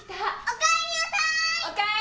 おかえりなさい。